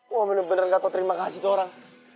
gue bener bener gak tau terima kasih itu orang